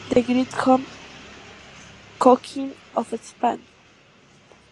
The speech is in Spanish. The Great Home Cooking of Spain".